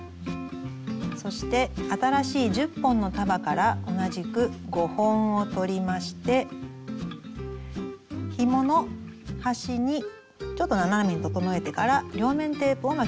そして新しい１０本の束から同じく５本を取りましてひもの端にちょっと斜めに整えてから両面テープを巻きます。